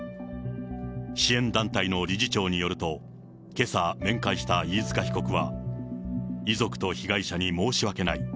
支援団体の理事長によると、けさ面会した飯塚被告は、遺族と被害者に申し訳ない。